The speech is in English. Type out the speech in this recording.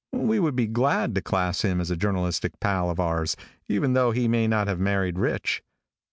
We would be glad to class him as a journalistic pal of ours, even though he may not have married rich.